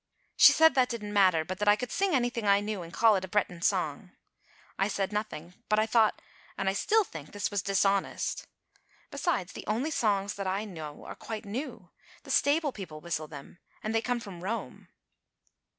She said that didn't matter; but that I could sing anything I knew and call it a Breton song. I said nothing, but I thought, and I still think, this was dishonest. Besides the only songs that I know are quite new. The stable people whistle them, and they come from Rome.